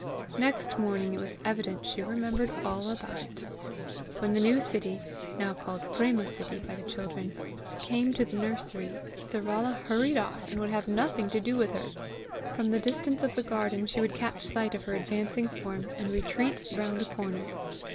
Next morning it was evident she remembered all about it. When the new Sittie (now called Préma Sittie by the children)[C] came to the nursery, Sarala hurried off and would have nothing to do with her. From the distance of the garden she would catch sight of her advancing form, and retreat round a corner.